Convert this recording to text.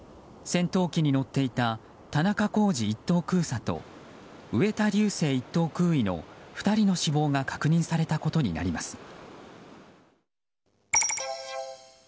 戦闘機に乗っていた田中公司１等空佐と植田竜生１等空尉の２人の死亡が確認されたことになります。